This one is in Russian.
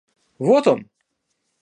Вот он!